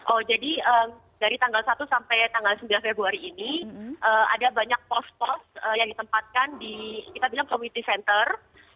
oh jadi dari tanggal satu sampai tanggal sembilan februari ini ada banyak pos pos yang ditempatkan di kita bilang community center